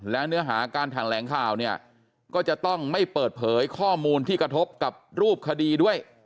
แล้วเนื้อหาการแถลงข่าวเนี่ยก็จะต้องไม่เปิดเผยข้อมูลที่กระทบกับรูปคดีด้วย